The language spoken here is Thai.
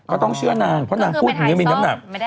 ก็ต้องเชื่อนางเพราะนางพูดอย่างนี้มีน้ำหนัก